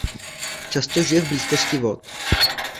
Často žije v blízkosti vod.